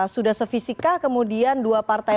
sudah se fisika kemudian dua partai